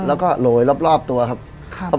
แล้วก็โหลยรอบตัวครับ